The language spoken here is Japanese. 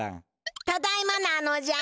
ただいまなのじゃ。